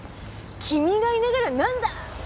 「君がいながらなんだ！」。